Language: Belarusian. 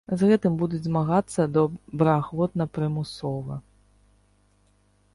З гэтым будуць змагацца добраахвотна-прымусова.